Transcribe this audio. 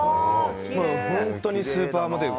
ホントにスーパーモデル。